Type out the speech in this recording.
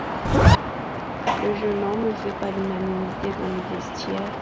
Le jeune homme ne fait pas l'unanimité dans le vestiaire.